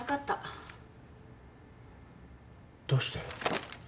どうして？